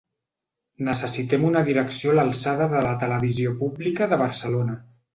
Necessitem una direcció a l’alçada de la televisió pública de Barcelona!